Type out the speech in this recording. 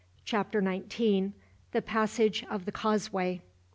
Chapter 19: The Passage Of The Causeway.